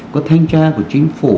có thanh tra của chính phủ